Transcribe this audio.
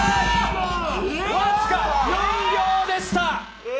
僅か４秒でした。